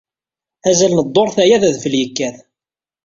Azal n ddurt aya d udfel yekkat.